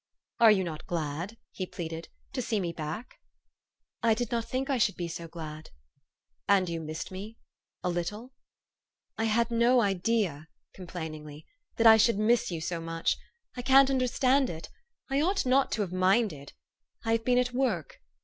"Are you not glad," he pleaded, "to see me back?" " I did not think I should be so glad." '' And j'ou missed me a little ?''" I had no idea," complainingly, " that I should miss you so much. I can't understand it. I ought not to have minded. I have been at work."